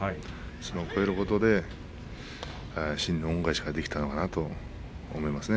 超えることで真に恩返しができたのかなと思いますね。